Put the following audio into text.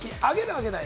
挙げない？